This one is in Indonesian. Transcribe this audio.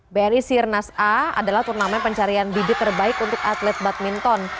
bri sirnas a adalah turnamen pencarian bibit terbaik untuk atlet badminton